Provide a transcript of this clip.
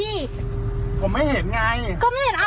ผมไม่เห็นไงก็ไม่เห็นอ่ะเปิดเปิดหน้าพี่เรียกเปิดหน้า